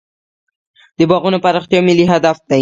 د باغونو پراختیا ملي هدف دی.